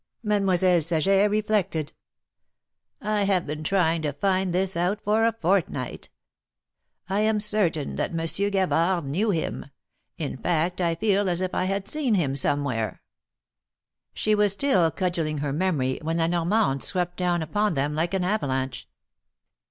Mademoiselle Saget reflected. " I have been trying to find this out for a fortnight. I am certain that Monsieur Gavard knew him ; in fact I feel as if I had seen him somewhere." THE MARKETS OF PARIS. 103 She was still cudgelling her memory, when La Nor mande swept down upon them like an avalanche.